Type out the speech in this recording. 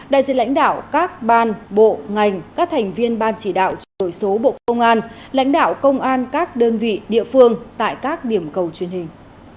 đại diện lãnh đạo các ban bộ ngành các thành viên ban chỉ đạo chuyển đổi số bộ công an lãnh đạo công an các đơn vị địa phương tại các điểm cầu truyền hình